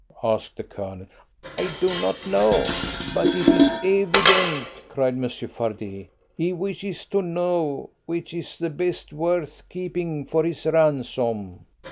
asked the Colonel. "I do not know." "But it is evident," cried Monsieur Fardet. "He wishes to know which is the best worth keeping for his ransom."